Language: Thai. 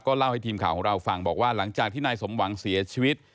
เล่าให้ทีมข่าวของเราฟังบอกว่าหลังจากที่นายสมหวังเสียชีวิต